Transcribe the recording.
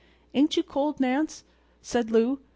"Ain't you cold, Nance?" said Lou.